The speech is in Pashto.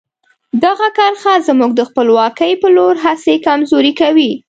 دغه کرښه زموږ د خپلواکۍ په لور هڅې کمزوري کوي.